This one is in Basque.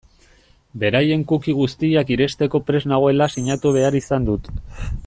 Beraien cookie guztiak irensteko prest nagoela sinatu behar izan dut.